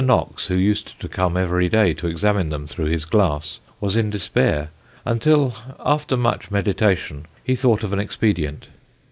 Knox, who used to come every day to examine them through his glass, was in despair, until after much meditation he thought of an expedient.